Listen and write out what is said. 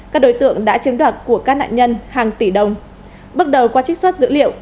các đối tượng đã chiếm đoạt của các nạn nhân hàng tỷ đồng bước đầu qua trích xuất dữ liệu